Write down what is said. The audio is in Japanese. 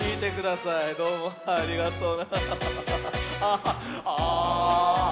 どうもありがとう。